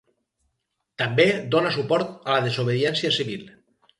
També dóna suport a la desobediència civil.